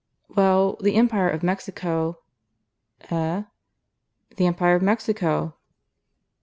"Well, the Empire of Mexico " "Eh?" "The Empire of Mexico."